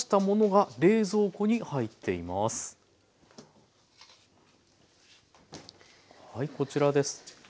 はいこちらです。